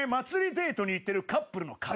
デートに行ってるカップルの彼氏役な。